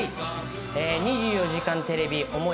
『２４時間テレビ想い